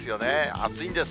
暑いんです。